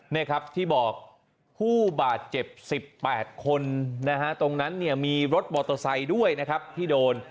นี่ครับที่บอกผู้บาดเจ็บ๑๘คนนะฮะตรงนั้นเนี่ยมีรถมอเตอร์ไซค์ด้วยนะครับที่โดน